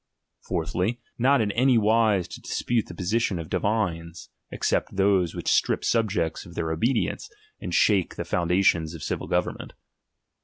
Fourthly, not in any wise to dispute the positions of divines, except those which strip subjects of their obedience, and shake the foundations of civil government.